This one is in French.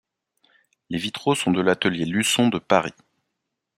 Les vitraux sont de l'atelier Luçon de Paris.